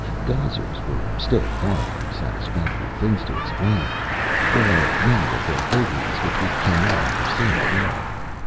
Geysers were still far from satisfactory things to explain. There are many of their vagaries which we cannot understand at all.